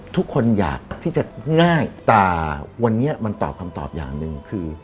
ทุกคนอยากที่จะง่ายแต่วันนี้มันตอบคำตอบอย่างหนึ่งคือ